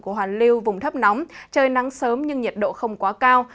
của hoàn lưu vùng thấp nóng trời nắng sớm nhưng nhiệt độ không quá cao